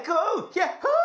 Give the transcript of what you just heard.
ヒャッホー！